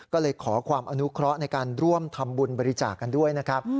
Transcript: ก็เลยขอความอนุเคราะห์ในการร่วมทำบุญบริจาคกันด้วยนะครับ